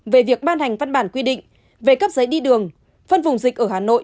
về việc ban hành văn bản quy định về cấp giấy đi đường phân vùng dịch ở hà nội